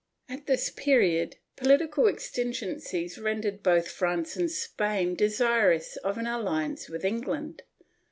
^ At this period, political exigencies rendered both France and Spain desirous of an alliance with England.